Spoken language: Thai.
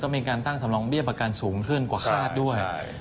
มีการตั้งสำรองเบี้ยประกันสูงขึ้นกว่าคาดด้วย